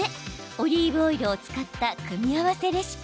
オリーブオイルを使った組み合わせレシピ。